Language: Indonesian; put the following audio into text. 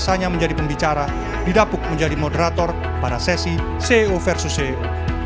biasanya menjadi pembicara didapuk menjadi moderator pada sesi ceo versus ceo